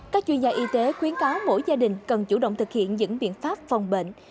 các chuyên gia y tế khuyến cáo mỗi gia đình cần chủ động thực hiện những biện pháp phòng bệnh